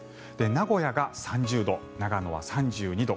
名古屋が３０度長野は３２度。